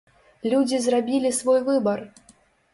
Людзі зрабілі свой выбар!